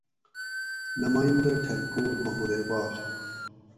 نمائندہ کھلکوٹ: محمد اقبال